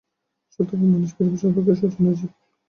স্বার্থপর মানুষই পৃথিবীর সর্বাপেক্ষা শোচনীয় জীব।